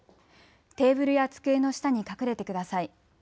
テーブルや机の下に隠れてください。